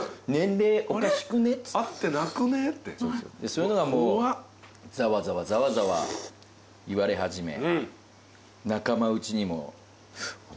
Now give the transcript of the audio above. そういうのがもうざわざわざわざわ言われ始め。